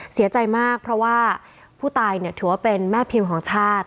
เสียใจมากเพราะว่าผู้ตายถือว่าเป็นแม่พิมพ์ของชาติ